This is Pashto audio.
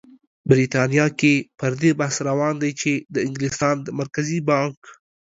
بریتانیا کې پر دې بحث روان دی چې د انګلستان د مرکزي بانک